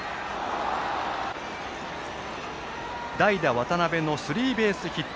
代打、渡邊のスリーベースヒット。